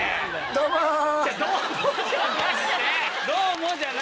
「どうも」じゃなくて！